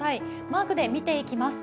マークで見ていきます。